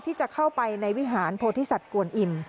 ที่จะเข้าไปในวิหารโพธิสัตว์กวนอิ่ม